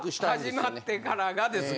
始まってからがですが。